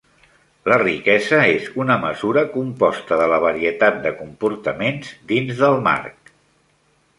La riquesa és una mesura composta de la varietat de comportaments dins del marc.